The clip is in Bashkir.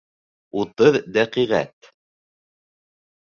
Утыҙ дәҡиғәт.